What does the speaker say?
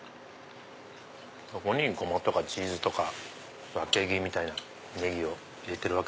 そこにゴマとかチーズとかワケギみたいなネギを入れてる。